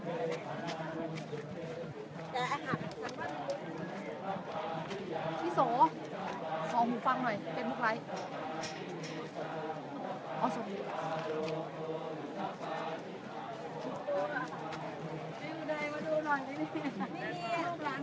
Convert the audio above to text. มีผู้ที่ได้รับบาดเจ็บและถูกนำตัวส่งโรงพยาบาลเป็นผู้หญิงวัยกลางคน